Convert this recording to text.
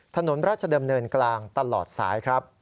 ถนนราชดำเนินกลางตลอดสายครับ